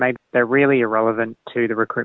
mereka benar benar tidak relevan untuk proses rekrutasi